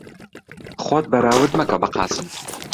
خۆت بەراورد مەکە بە قاسم.